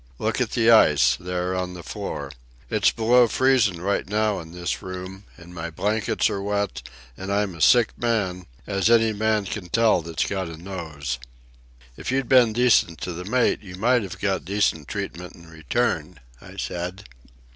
Look at the ice, there, on the floor. It's below freezin' right now in this room, and my blankets are wet, and I'm a sick man, as any man can tell that's got a nose." "If you'd been decent to the mate you might have got decent treatment in return," I said.